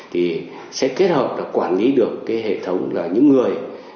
thì sẽ kết hợp là quản lý được cái hệ thống là những người